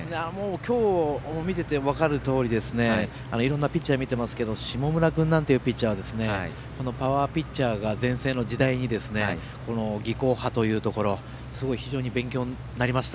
今日見ていて分かるようにいろいろなピッチャーを見ていますけれども下村君なんていうピッチャーはパワーピッチャーが全盛の時代に技巧派というところ非常に勉強になりました。